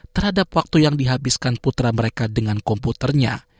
terhadap waktu yang dihabiskan putra mereka dengan komputernya